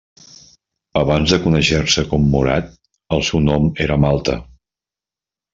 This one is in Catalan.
Abans de conèixer-se com Morat, el seu nom era Malta.